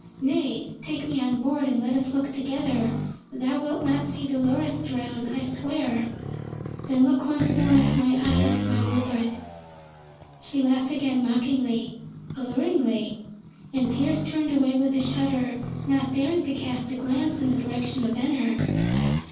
Nay, take me on board, and let us look together. Thou wilt not see Dolores drown, I swear. Then look once more into my eyes, my Rupert!" She laughed again mockingly, alluringly, and Pearse turned away with a shudder, not daring to cast a glance in the direction of Venner.